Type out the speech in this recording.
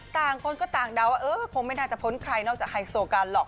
ต่างคนก็ต่างเดาว่าเออคงไม่น่าจะพ้นใครนอกจากไฮโซกันหรอก